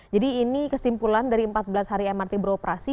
jadi ini kesimpulan dari empat belas hari mrt beroperasi